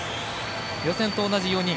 予選と同じ４人。